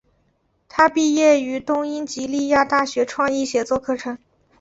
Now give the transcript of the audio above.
她毕业于东英吉利亚大学创意写作课程。